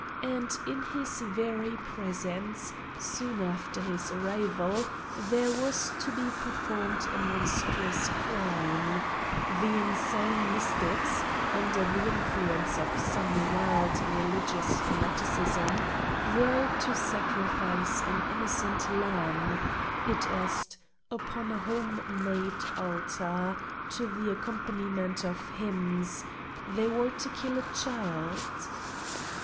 And in his very presence, soon after his arrival, there was to be performed a monstrous crime: these insane mystics, under the influence of some wild religious fanaticism, were to sacrifice an innocent lamb, i.e., upon a home made altar, to the accom paniment of hymns, they were to kill a child.